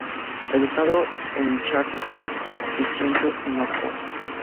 Educado en Charterhouse y Christchurch, en Oxford.